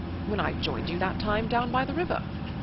When I joined you that time down by the river.